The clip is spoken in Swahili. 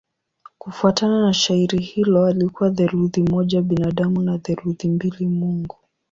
Kufuatana na shairi hilo alikuwa theluthi moja binadamu na theluthi mbili mungu.